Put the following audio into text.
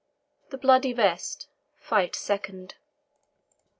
THE BLOODY VEST. FYTTE SECOND.